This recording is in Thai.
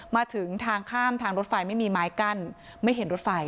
มาถึงทางข้ามทางรถไฟไม่มีไม้กั้นไม่เห็นรถไฟ